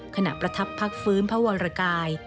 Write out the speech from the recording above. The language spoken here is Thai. ประทับพักฟื้นพระวรกาย